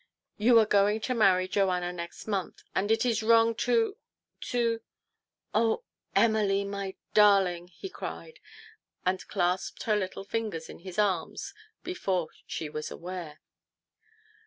"You are going to marry 112 TO PLEASE HIS WIFE. Joanna next month, and it is wrong to to "" Oh, Emily, my darling !" he cried, and clasped her little figure in his arms before she was aware.